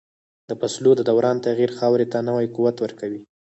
د فصلو د دوران تغییر خاورې ته نوی قوت ورکوي.